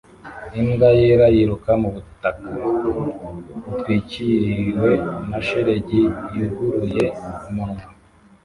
Imbwa yera yiruka mu butaka butwikiriwe na shelegi yuguruye umunwa